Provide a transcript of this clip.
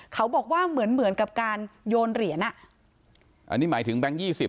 เขาบอกว่าเหมือนเหมือนกับการโยนเหรียญอ่ะอันนี้หมายถึงแบงค์ยี่สิบ